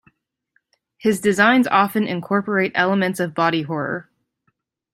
His designs often incorporate elements of body horror.